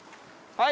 はい！